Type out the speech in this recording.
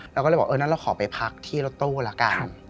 เราก็เลยบอกเอองั้นเราขอไปพักที่รถตู้ละกัน